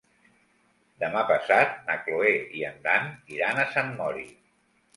Demà passat na Cloè i en Dan iran a Sant Mori.